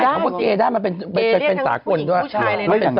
พูดได้คือนะวันนี้